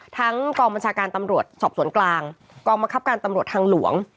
กองบัญชาการตำรวจสอบสวนกลางกองบังคับการตำรวจทางหลวง